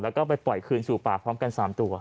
แล้วก็ไปปล่อยคืนสู่ป่าพร้อมกัน๓ตัว